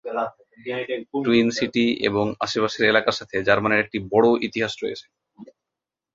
Twin city এবং আশেপাশের এলাকার সাথে জার্মানের একটি বড়ো ইতিহাস রয়েছে।